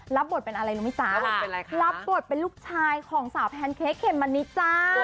รับบทเป็นอะไรรู้ไหมจ๊ะรับบทเป็นลูกชายของสาวแพนเค้กเขมมะนิดจ้า